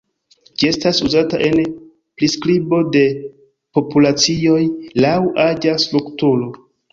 Ĝi estas uzata en priskribo de populacioj laŭ aĝa strukturo.